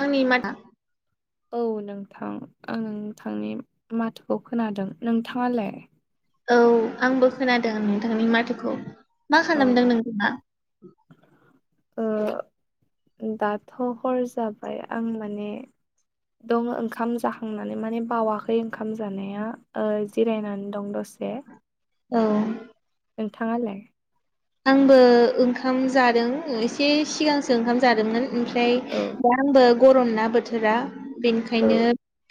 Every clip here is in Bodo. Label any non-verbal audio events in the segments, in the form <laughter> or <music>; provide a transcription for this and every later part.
आंनि माथा औ नोंथां आं नोंथांनि माथोखौ खोनादों नोंथाङालाय औ आंबो खोनादों नोंथांनि माथोखौ मा औ खालामदों नोंथाङा ओ दाथ' हर जाबाय आं माने दं ओंखाम जाखांनानै माने बावाखै ओंखाम जानाया जिरायनानै दं दसे औ नोंथाङालाय आंबो ओंखाम जादों एसे सिगांसो ओंखाम जादोंमोन ओमफ्राय औ दा आंबो गरम ना बोथोरा औ बेनिखायनो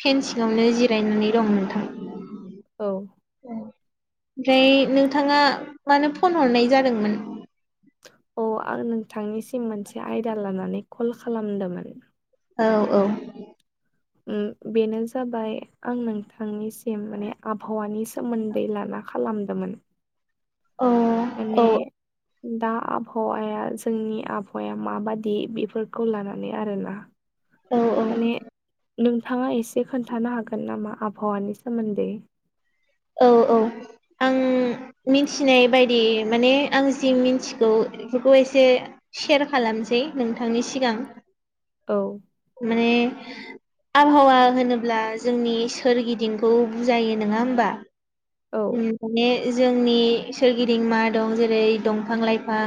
फेन सिङावनो जिरायनानै दं नोंथां औ ओमफ्राय नोंथाङा मानो फन हरनाय जादोंमोन अ आं नोंथांनिसिम मोनसे आयदा लानानै कल खालामदोंमोन औ औ बेनो जाबाय आं नोंथांनिसिम माने आबहावानि सो सोमोन्दै लाना खालामदोंमोन अ माने दा आबहावाया जोंनि आबहावाया माबादि बेफोरखौ लानानै आरोना औ औ माने नोंथाङा एसे खोन्थानो हागोन नामा आबहावानि सोमोन्दै औ औ आं ओम मिथिनाय बायदि माने आं जि मिथिगौ बेफोरखौ एसे सेयार खालामसै नोंथांनि सिगां औ माने आबहावा होनोब्ला जोंनि सोरगिदिंखौ बुजायो नङा होमबा औ माने जोंनि सोरगिदिं मा दं जेरै दंफां लाइफां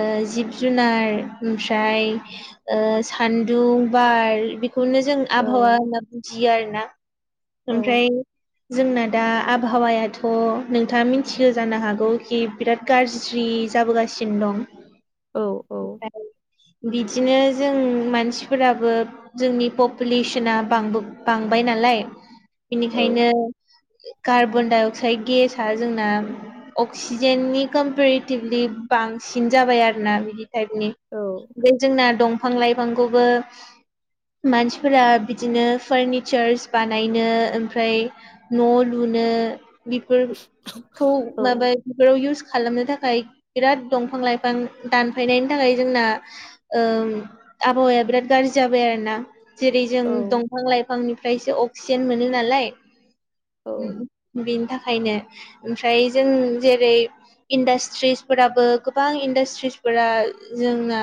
ओ जिब जुनार ओमफ्राय ओ सान्दुं बार बेखौनो जों औ आबहावा होनना बुजियो आरोना औ ओमफ्राय जोंना दा आबहावायाथ' नोंथाङा मिथियो जानो हागौ कि बिराद गाज्रि जाबोगासिनो दं औ औ ओमफ्राय बिदिनो जों मानसिफोराबो जोंनि पपुलेसना बां बांबाय नालाय औ बेनिखायनो कार्बनडाइ अक्साइड गेसआ जोंना अक्सिजेननि कम्पेरेटिभलि बांसिन जाबाय आरोना बिदि टाइपनि ओमफ्राय जोंना दंफां लाइफांखौबो मानसिफोरा बिदिनो फारनिचार्स बानायनो ओमफ्राय न' लुनो बेफोरखौ औ माबा बेफोराव इउस खालामनो थाखाय बिराद दंफां लाइफां दानफायनायनि थाखाय जोंना ओ आबहावाया बिराद गाज्रि जाबाय आरो ना जेरै जों औ दंफां लाइफांनिफ्रायसो अक्सिजेन मोनो नालाय औ बिनि थाखायनो ओमफ्राय जों जेरै इन्डास्ट्रिसफोराबो गोबां इन्डास्ट्रिसफोरा जोंना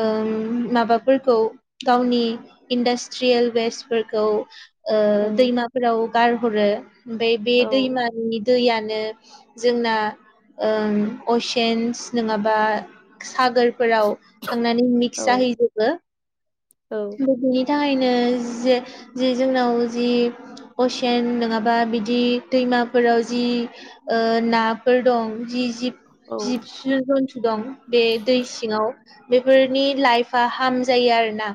ओ माबाफोरखौ गावनि इन्डास्ट्रियेल वेस्टफोरखौ ओ औ दैमाफोराव गारहरो ओमफ्राय बे औ दैमानि दैयानो जोंना ओम असेन्स नङाबा सागोरफोराव थांनानै औ मिक्स जाहैजोबो औ बिनि थाखायनो जे जि जोंनाव जि असियान नङाबा बिदि दैमाफोराव जि ओ नाफोर दं जि जिब जिब जुन्थु दं बे दै सिङाव बेफोरनि लाइफआ हार्म जायो आरोना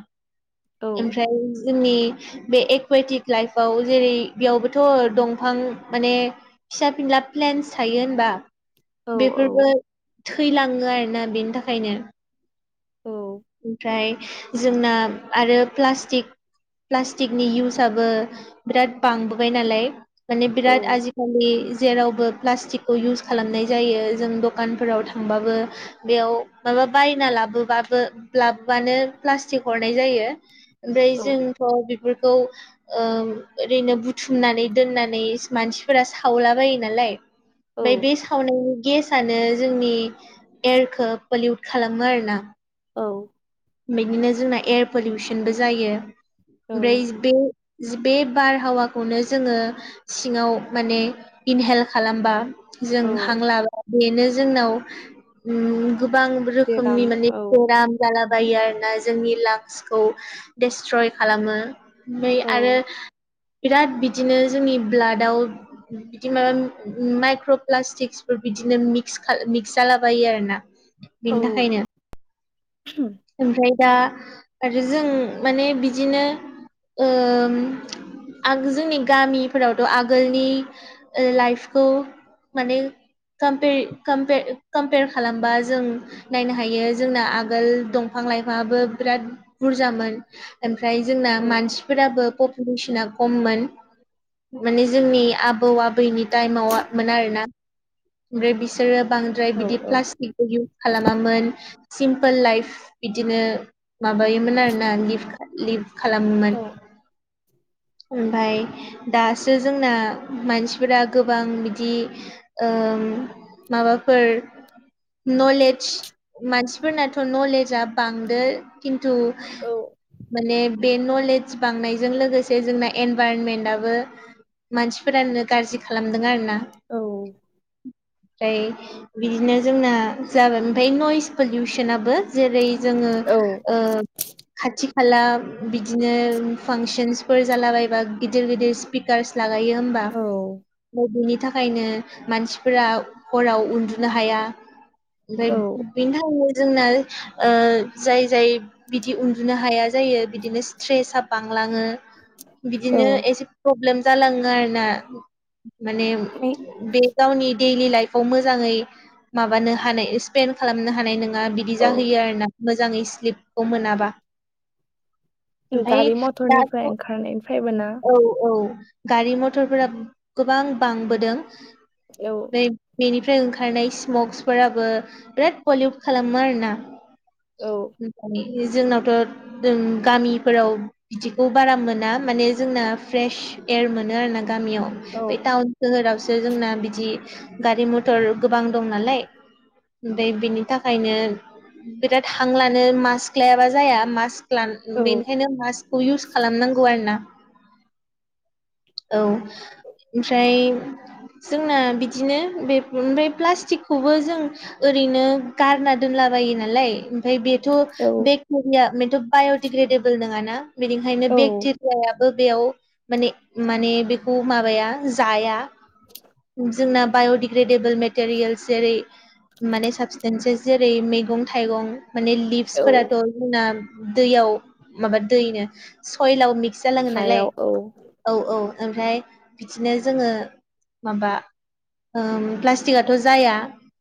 औ ओमफ्राय जोंनि बे एकुवेटिक लाइफआव जेरै बेयावबोथ' दंफां माने फिसा फिनला प्लेनस थायो होनबा औ बेफोरबो थैलाङो आरोना बेनि थाखायनो औ ओमफ्राय जोंना आरो प्लास्टिक प्लास्टिकनि इउसाबबो बिराद बांबोबाय नालाय माने बिराद औ आजिखालि जेरावबो प्लास्टिकखौ इउस खालामनाय जायो जों दखानफोराव थांबाबो बेयाव माबा बायना लाबोबाबो लाबबानो प्लास्टिक हरनाय जायो ओमफ्राय जोंथ' बेफोरखौ ओम ओरैनो बुथुमनानै दोननानै मानसिफोरा सावलाबायो नालाय ओमफाय बे सावनायनि गेसानो जोंनि एयारखौ पलिउट खालामो आरोना औ बिदिनो जोंना एयार पलिउसनबो जायो औ ओमफ्राय बे बे बारहावाखौनो जोङो सिङाव माने इनहेल खालामबा जों औ हांलाबा बेनो जोंनाव गोबां जेराम रोखोमनि माने औ औ बेराम जालाबायो आरोना जोंनि लाक्सखौ डेस्ट्रय खालामो ओमफाय आरो औ बिराद बिदिनो जोंनि ब्लाडआव बिदि माबा माइक्र' प्लास्टिक्सफोर बिदिनो मिस मिक्स जालाबायो आरो ना बिनि थाखायनो <inaudible> ओमफ्राय दा आरो जों माने बिदिनो ओम आ जोंनि गामिफोरावथ' आगोलनि लाइफखौ माने कमपयार कमपयार कमपयार खालामबा जों नायनो हायो जोंना आगोल दंफां लाइफाङाबो बिराद बुरजामोन ओमफ्राय जोंना औ मानसिफोराबो मिसिना खममोन माने जोंनि आबौ आबैनि टाइमावमोन आरोना ओमफ्राय बिसोरो बांद्राय औ बिदि औ प्लास्टिक इउस खालामामोन सिम्पोल लाइफ बिदिनो माबायोमोन आरोना लिभ लिभ खालामोमोन औ ओमफ्राय दासो जोंना मानसिफोरा गोबां बिदि ओम माबाफोर नलेज मानसिफोरनाथ' नलेज जा बांदो खिन्थु औ माने बे नलेज बांनायजों लोगोसे जोंना एनभाइरनमेन्टआबो मानसिफोरानो गाज्रि खालामदों आरो ना औ ओमफ्राय बिदिनो जोंना जाबाय ओमफ्राय नइस पलिउसनाबो जेरै जोङो औ ओ खाथि खाला बिदिनो फांसनसफोर जालाबायबा गिदिर गिदिर स्पिकार्स लागायो होमबा ओम बेनि थाखायनो मानसिफोरा हराव उन्दुनो हाया औ ओमफ्राय बिनि थाखायनो जोंना ओ जाय जाय बिदि उन्दुनो हाया जायो बिदिनो स्ट्रेस आ बांलाङो औ बिदिनो एसे प्रब्लेम जालाङो आरोना माने मे बे गावनि दैडलि लाइफआव मोजाङै माबानो हानाय स्पेन्ड खालामनो हानाय नङा बिदि औ जाहोयो आरोना मोजाङै स्लिप खौ मोनाबा ओमफाय गारि मथरनिफ्राय दाथ' ओंखारनायनिफ्रायबो ना औ-औ गारि मथरफोरा गोबां बांबोदों औ बै बेनिफ्राय ओंखारनाय स्मक्सफोराबो बिराद पलिउट खालामो आरोना औ माने जोंनावथ' जों गामिफोराव बिदिखौ बारा मोना माने जोंना फ्रेश एयार मोनो आरो ना गामियाव औ बे टाउन सोहोरावसो जोंना बिदि गारि मथर गोबां दं नालाय ओमफ्राय बेनि थाखायनो बिराद हां लानो मास्क लायाबा जाया मास्क ल औ बेनिखायनो मास्क खौ इउस खालामनांगौ आरो ना औ ओमफ्राय जोंना बिदिनो बे ओमफ्राय प्लास्टिकखौबो जों ओरैनो गारना दोनला बायो नालाय ओमफ्राय बेथ' औ बेक्टेरिया बेथ' बाय'डिग्रेडेबोल नोङाना बेनिखायनो औ बेक्टे याबो बेयाव माने माने बेखौ माबाया जाया जोंना बाय'दिक ग्रेडेबोल मेटेरियेल जेरै माने साबसटेनसेस जेरै मे मैगं थाइगं माने औ लिभसफोराथ' जोंना दैयाव माबा दैनो सयलाव मिक्स जालाङो नालाय हायाव औ औ-औ ओमफ्राय बिदिनो जोङो माबा ओम प्लास्टिकआथ' जाया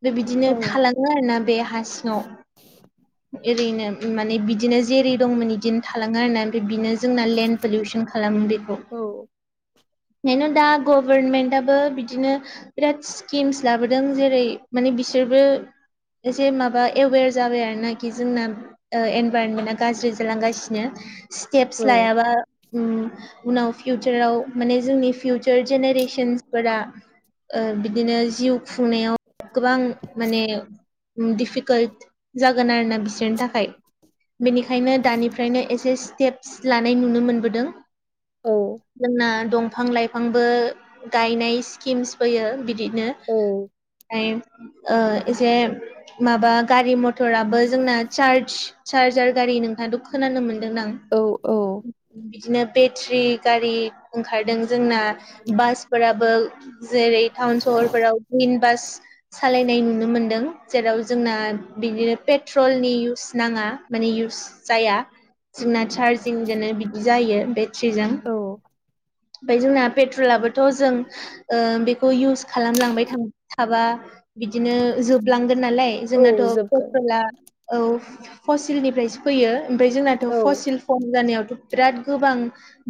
बे बिदिनो औ थालाङो आरोना बे हा सिं वाव ओरैनो माने बिदिनो जेरै दंमोन बिदिनो थाङो आरोना ओमफाय बिनो जोंना लेन्ड पलिउसन खालामो बेखौ औ बेनो दा गभारनमेन्टाबो बिदिनो बिराद स्किमस लाबोदों जेरै माने बिसोरबो एसे माबा एवेर जाबाय आरो नाकि जोंना इनभारनमेन्टा गाज्रि जालांगासिनो औ स्टेप्स लायाबा उनाव फिउचाराव माने जोंनि फिउचार जेनेरेशनसफोरा ओ बिदिनो जिउ खुंनायाव गोबां माने दिफिक कालत जागोन आरोना बिसोरनि थाखाय बेनिखायनो दानिफ्रायनो एसे स्टेप्स लानाय नुनो मोनबोदों जोंना दंफां लाइफांबो गायनाय स्किम्स फैयो बिदिनो औ ओमफ्राय एसे माबा गारि मटराबो जोंना चार्ज चार्जार गारि नोंथाङाथ' खोनानो मोन्दों दां औ-औ बिदिनो बेथ्रि गारि ओंखारदों जोंना बासफोरा बो जेरै टाउन सहरफोराव ग्रिन बास सालायनाय नुनो मोनदों जेराव जोंना बिदिनो पेट्रलनि इउस नाङा माने इउस जाया जोंना चार्जिं जोनो बिदि जायो बेट्रिजों औ ओमफ्राय जोंना पेट्रलाबोथ' जों ओ बेखौ इउस खालामलांबाय थाबा बिदिनो जोबलांगोन नालाय औ जोंनाथ' जोबगोन ला औ फसिलनिफ्रायसो फैयो ओमफ्राय जोंनाथ' औ फसिल खम जानायावथ' बिराद गोबां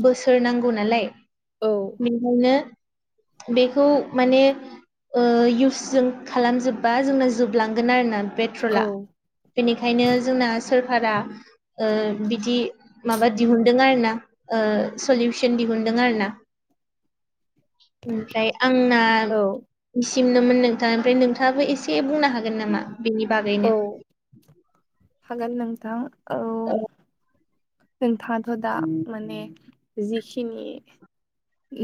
बोसोर नांगौ नालाय औ बिखायनो बेखौ माने ओ इउस जों खालामजोब्बा जोंना जोबलांगोन आरोना पे ट्रला औ बेनिखायनो जोंना सोरखारा बिदि माबा दिहुनदों आरो ना ओ सलिउसन दिहुनदों आरो ना ओमफ्राय आंना औ बिसिमनोमोन नोंथाङा ओमफ्राय नोंथाङाबो एसे बुंनो हागोन नामा बेनि बागैनो औ हागोन नोंथां औ नोंथाङाथ' दा माने जिखिनि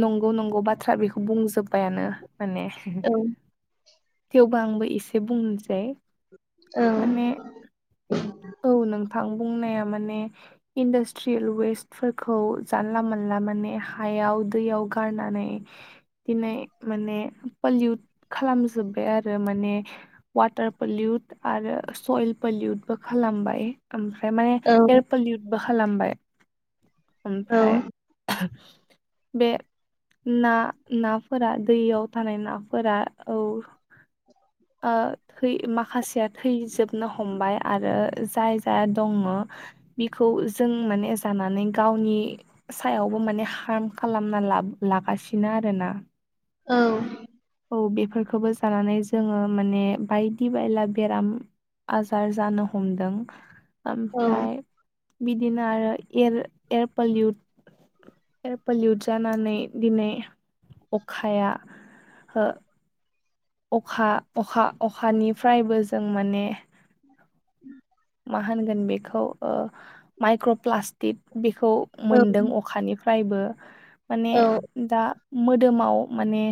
नंगौ नंगौ बाथ्रा बेखौ बुंजोब्बायानो माने औ थेवबो आंबो एसे बुंनोसै औ माने औ नोंथां बुंनाया माने इन्डास्ट्रियेल वेस्ट फोरखौ जानला मोनला माने हायाव दैयाव गारनानै दिनै माने पलिउट खालामजोब्बाय आरो माने वाटार पलिउट आरो सयल पलिउट बो खालामबाय ओमफ्राय माने एयार पलिउटबो खालामबाय औ ओमफ्राय बे ना नाफोरा दैयाव थानाय नाफोरा औ ओ थै माखासेया थैजोबनो हमबाय आरो जाय जाया दङ बिखौ जों माने जानानै गावनि सायावबो माने हार्म खालामना ला लागासिनो आरोना औ औ बेफोरखौबो जानानै जोङो माने बायदि बायला बेराम आजार जानो हमदों औ ओमफ्राय बिदिनो आरो air air pollute air pollute जानानै दिनै अखाया ह अखा अखा अखानिफ्रायबो जों माने <inaudible> माहोनगोन बेखौ ओ माइक्र'प्लासटिक बेखौ औ मोनदों अखानि फ्रायबो माने औ दा मोदोमाव माने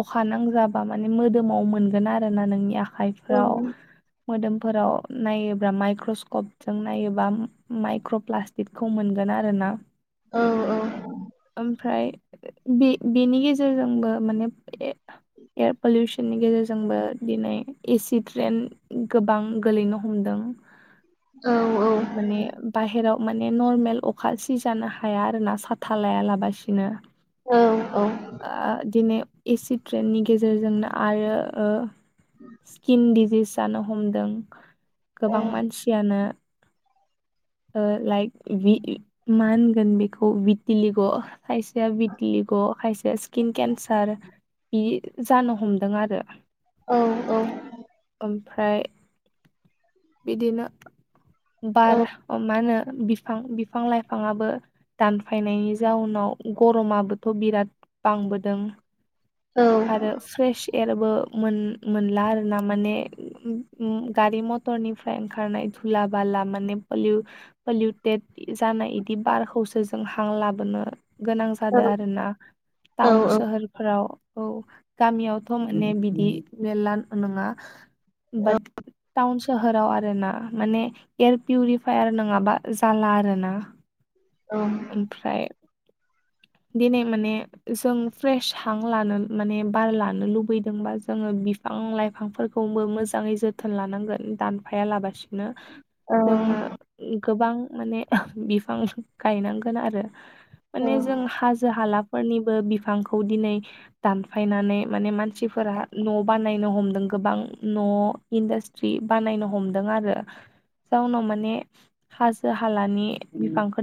अखा नांजाबा मानि मोदोमाव मोनगोन आरो ना नोंनि औ आखाइफ्राव मोदोमफोराव नायोब्ला माइक्रस्कपजों नायोबा माइक्रप्लास्टि बिटखौ मोनगोन आरो ना औ ओमफ्राय बे बेनि गेजेरजोंबो माने एयार पलुसननि गेजरजों जोंबो दिनै एसि ट्रेन गोबां गोलैनो हमदों औ औ माने बाहेराव माने नरमेल अखा सि जानो हाया आरोना साथा लायालाबासिनो औ औ ओ दिनै एसि ट्रेननि गेजेरजोंनो आरो ओ स्किन डिजिस जानो हमदों गोबां मानसियानो ओ लाइक बि मानगोन बेखौ बितिलिग' खायसेया बितिलिग' खायसेया स्किन केन्सार बि जानो हमदों आरो औ औ ओमफ्राय बिदिनो बार ओ मा होनो बिफां बिफां-लाइफाङाबो दानफायनायनि जाउनाव गरमाबोथ' बिराद बांबोदों आरो फ्रेसि केयारबो मोन मोनला आरो ना माने गारि मटरनिफ्राय फाय ओंखारनाय धुला बाला माने पलिउ पलिउटेड जानाय इदि बारखौसो जों हां लाबोनो गोनां जादों आरोना टाउन सोहोरफोराव औ गामियावथ' माने बिदि मेरला नोङा बाट टाउन स सोहोराव आरोना माने एयार पिउरिफायार नोङाबा जाला आरोना औ ओमफ्राय दिनै माने जों फ्रेस हां लानो माने बार लानो लुबैदोंबा जोङो बिफां-लाइफांफोरखौबो मोजाङै जोथोन लानांगोन दान फाया लाबासिनो जोङो औ गोबां माने बिफां गायनांगोन आरो औ माने जों हाजो हालाफोरनिबो बिफांखौ दिनै दान फायनानै माने मानसिफोरा न' बानायनो हमदों गोबां न' इन्डास ट्रि बानायनो हमदों आरो जाउनाव माने हाजो-हालानि बिफांखो